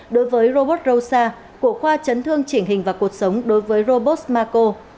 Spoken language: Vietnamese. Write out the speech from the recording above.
đối với robot rosa của khoa chấn thương chỉnh hình và cuộc sống đối với robot mako